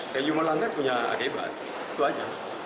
kayak human landai punya akibat itu aja